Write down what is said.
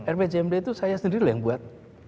rpjmd itu saya sendiri lah yang buat